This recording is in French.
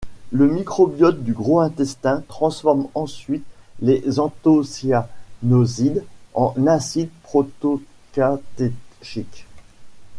Le microbiote du gros intestin transforme ensuite les anthocyanosides en acide protocatéchique.